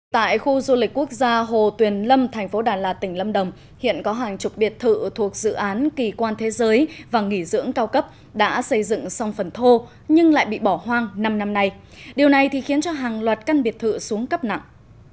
tại khu du lịch quốc gia hồ tuyền lâm thành phố đà lạt tỉnh lâm đồng hiện có hàng chục biệt thự thuộc dự án kỳ quan thế giới và nghỉ dưỡng cao cấp đã xây dựng xong phần thô nhưng lại bị bỏ hoang năm năm nay điều này thì khiến cho hàng loạt căn biệt thự xuống cấp nặng